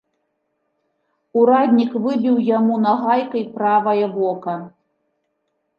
Ураднік выбіў яму нагайкай правае вока.